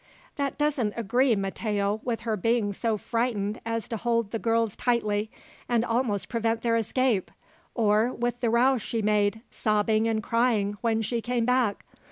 '" "That doesn't agree, Matteo, with her being so frightened as to hold the girls tightly, and almost prevent their escape, or with the row she made, sobbing and crying, when she came back.